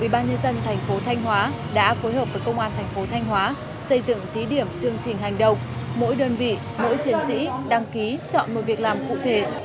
ban nhân dân thành phố thanh hóa đã phối hợp với công an thành phố thanh hóa xây dựng thí điểm chương trình hành động mỗi đơn vị mỗi chiến sĩ đăng ký chọn một việc làm cụ thể